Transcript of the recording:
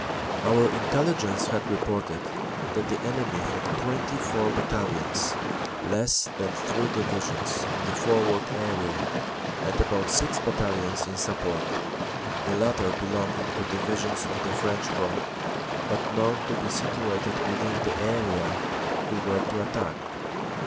Our Intelligence had reported that the enemy had 24 bat talions (less than three Divisions) in the forward area and about six battalions in support, the latter belonging to Divi sions on the French front, but known to be situated within the area we were to attack.